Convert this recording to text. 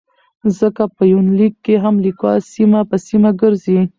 ځکه په يونليک کې هم ليکوال سيمه په سيمه ګرځي